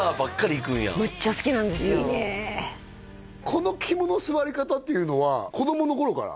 この肝の据わり方っていうのは子供の頃から？